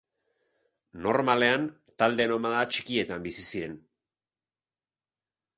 Normalean talde nomada txikietan bizi ziren.